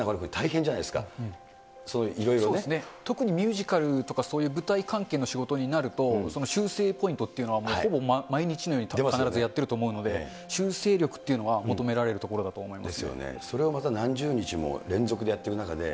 特にミュージカルとかそういう舞台関係の仕事になると、修正ポイントというのはほぼ毎日のように必ずやってると思うので、修正力っていうのは、求められるところだと思います。